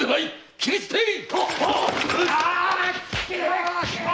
斬り捨てい‼